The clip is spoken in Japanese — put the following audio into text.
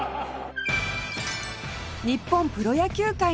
日本プロ野球界の聖地